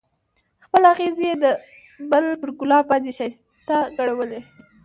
خپل اغزی یې د بل پر ګلاب باندې ښایسته ګڼلو.